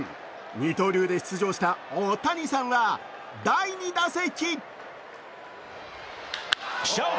二刀流で出場した大谷さんは第２打席。